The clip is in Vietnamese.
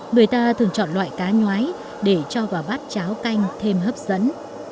người ta thường chọn loại cá nhoái để cho vào bát cháo canh thêm hấp dẫn